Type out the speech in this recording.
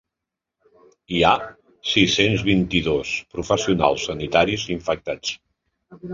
Hi ha sis-cents vint-i-dos professionals sanitaris infectats.